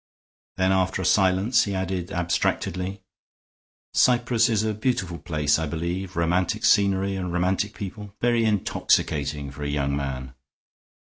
Then after a silence he added, abstractedly: "Cyprus is a beautiful place, I believe. Romantic scenery and romantic people. Very intoxicating for a young man."